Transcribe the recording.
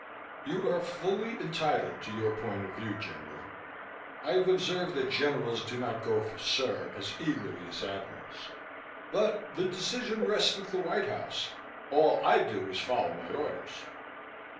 "You are fully entitled to your point of view, General," I have observed that Generals do not go for "Sir!" as eagerly as Admirals "but the decision rests with the White House. All I do is to follow my orders."